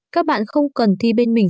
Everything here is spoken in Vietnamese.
các bạn không cần thi bên mình